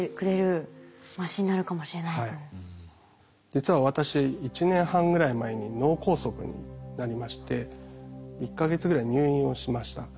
実は私１年半ぐらい前に脳梗塞になりまして１か月ぐらい入院をしました。